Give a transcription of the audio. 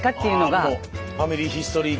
ああもう「ファミリーヒストリー」